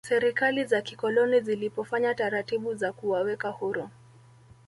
serikali za kikoloni zilipofanya taratibu za kuwaweka huru